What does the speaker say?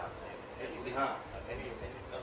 หลังจากนี้ก็ได้เห็นว่าหลังจากนี้ก็ได้เห็นว่า